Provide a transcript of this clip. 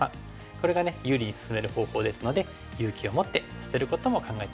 これが有利に進める方法ですので勇気を持って捨てることも考えてみて下さい。